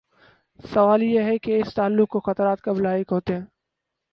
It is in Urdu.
سوال یہ ہے کہ اس تعلق کو خطرات کب لاحق ہوتے ہیں؟